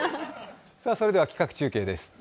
それでは企画中継です。